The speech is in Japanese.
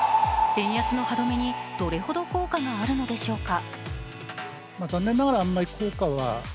円安の歯止めにどれほど効果があるのでしょうか。